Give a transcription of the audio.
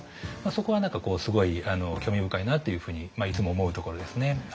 そこは何かすごい興味深いなっていうふうにいつも思うところですね。